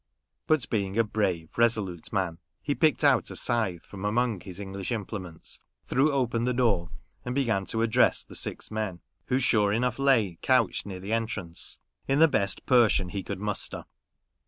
But being a brave, resolute man, he picked out a scythe from among his English im plements, threw open the door, and began to address the six men (who, sure enough, lay couched near the entrance) in the best Persian he could muster.